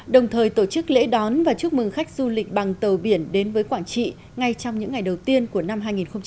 đồng thời tổ chức lễ đón và chúc mừng khách du lịch bằng tàu biển đến với quảng trị ngay trong những ngày đầu tiên của năm hai nghìn hai mươi